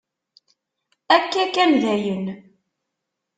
Akka kan, dayen.